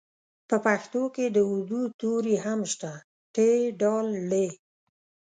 په پښتو کې د اردو توري هم شته ټ ډ ړ